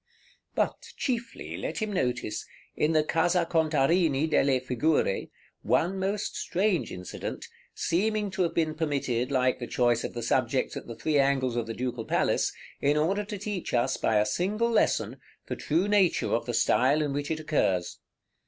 But chiefly let him notice, in the Casa Contarini delle Figure, one most strange incident, seeming to have been permitted, like the choice of the subjects at the three angles of the Ducal Palace, in order to teach us, by a single lesson, the true nature of the style in which it occurs.